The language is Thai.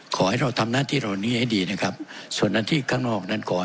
ขอให้เราทำหน้าที่เหล่านี้ให้ดีนะครับส่วนหน้าที่ข้างนอกนั้นก่อน